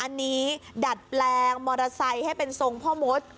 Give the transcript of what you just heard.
อันนี้ดัดแปลงมอเตอร์ไซค์ให้เป็นทรงพ่อมด